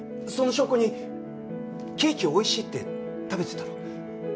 その証拠にケーキを美味しいって食べてたろ？